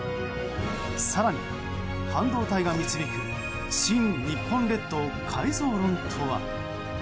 更に半導体が導く新・日本列島改造論とは？